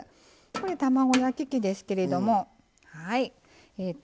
これ卵焼き器ですけれどもはい。